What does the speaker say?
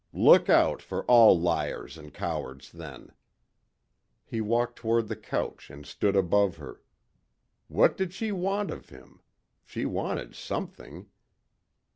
Look out for all liars and cowards then. He walked toward the couch and stood above her. What did she want of him? She wanted something.